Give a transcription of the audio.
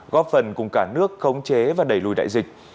góp phần cùng cả nước khống chế và đẩy lùi đại dịch